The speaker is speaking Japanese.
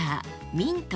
ミント